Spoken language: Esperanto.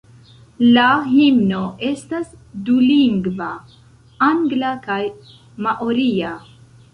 La himno estas dulingva: angla kaj maoria.